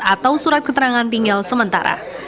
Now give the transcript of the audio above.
atau surat keterangan tinggal sementara